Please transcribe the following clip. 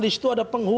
disitu ada penghuni